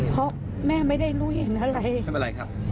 เพราะแม่ไม่ได้รู้เห็นอะไรทำอะไรครับ